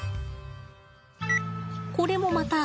これもまた。